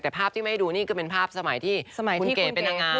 แต่ภาพที่ไม่ให้ดูนี่ก็เป็นภาพสมัยที่คุณเก๋เป็นนางงาม